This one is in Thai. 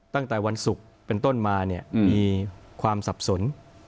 ตั้งแต่วันศุกร์เป็นต้นมามีความสรรพสน